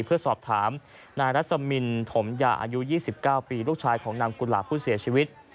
เพื่อสอบถามนายรัสมินถมยาอายุ๒๙ปีลูกชายของนางกุหลาบผู้เสียชีวิต